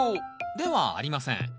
ではありません。